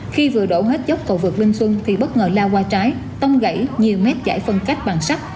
khi vừa đổ hết dốc cầu vượt minh xuân thì bất ngờ lao qua trái tông gãy nhiều mét giải phân cách bằng sắt